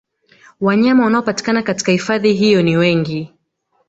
Wanyama wanaopatikana katika hifadhi hiyo ni wengi